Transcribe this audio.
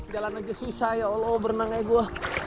jalan aja susah ya allah berenangnya gue